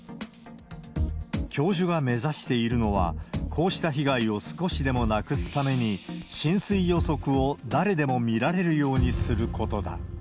教授が目指しているのは、こうした被害を少しでもなくすために、浸水予測を誰でも見られるようにすることだ。